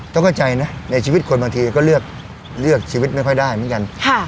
ต้องเข้าใจนะในชีวิตคนบางทีก็เลือกชีวิตไม่ค่อยได้เหมือนกัน